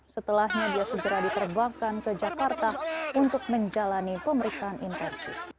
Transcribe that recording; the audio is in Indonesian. setelahnya dia segera diterbangkan ke jakarta untuk menjalani pemeriksaan intensif